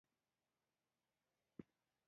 جولیس رینارډ وایي د جنت یوه ټوټه په ځمکه شته.